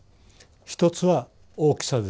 一つは大きさです。